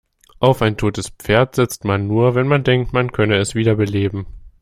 Auf ein totes Pferd setzt man nur, wenn man denkt, man könne es wiederbeleben.